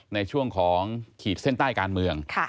ในช่วงของขีดเส้นใต้การเมือง